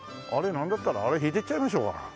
なんだったらあれ引いていっちゃいましょうか。